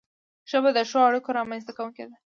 ژبه د ښو اړیکو رامنځته کونکی ده